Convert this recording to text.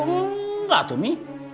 enggak tuh mi